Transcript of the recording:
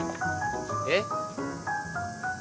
えっ？